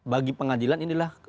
bagi pengadilan ini adalah